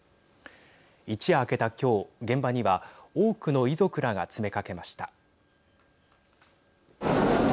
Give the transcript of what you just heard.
一夜明けた今日、現場には多くの遺族らが詰めかけました。